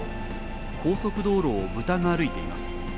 高速道路を豚が歩いています。